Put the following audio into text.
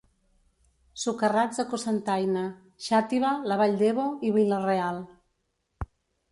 Socarrats a Cocentaina, Xàtiva, la Vall d'Ebo i Vila-real.